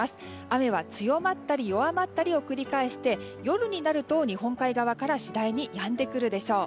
雨は強まったり弱まったりを繰り返して夜になると日本海側から次第にやんでくるでしょう。